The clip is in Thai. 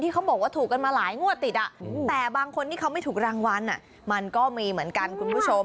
เขาบอกว่าถูกกันมาหลายงวดติดแต่บางคนที่เขาไม่ถูกรางวัลมันก็มีเหมือนกันคุณผู้ชม